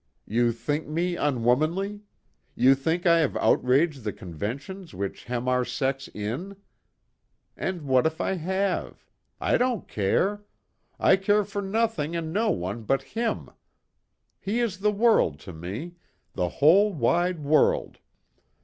You think me unwomanly! You think I have outraged the conventions which hem our sex in! And what if I have? I don't care! I care for nothing and no one but him! He is the world to me the whole, wide world.